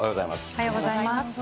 おはようございます。